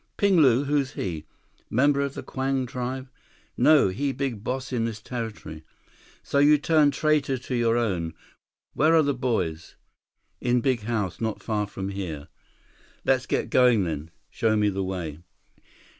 "Ping Lu? Who's he? Member of the Kwang tribe?" "No, he big boss in this territory." "So, you turned traitor to your own. Where are the boys?" "In big house, not far from here." "Let's get going then. Show me the way."